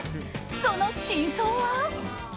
その真相は？